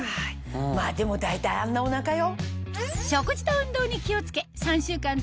まぁでも大体あんなお腹よ。